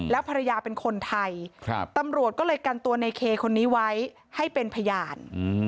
ภรรยาเป็นคนไทยตำรวจก็เลยกันตัวในเคคนนี้ไว้ให้เป็นพยาน